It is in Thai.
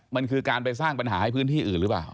มันคือการไปสร้างปัญหาให้พื้นที่อื่นหรือเปล่า